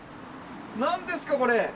何ですか、これ。